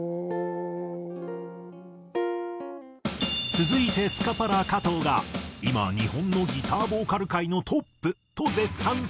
続いてスカパラ加藤が今日本のギターボーカル界のトップと絶賛するのが。